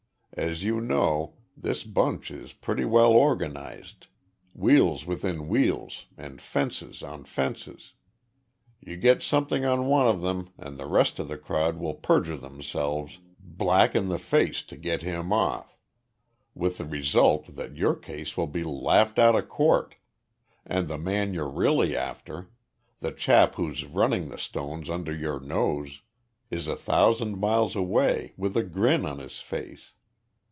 As you know, this bunch is pretty well organized, wheels within wheels and fences on fences. You get something on one of them and the rest of the crowd will perjure themselves black in the face to get him off, with the result that your case will be laughed out of court and the man you're really after the chap who's running the stones under your nose is a thousand miles away with a grin on his face.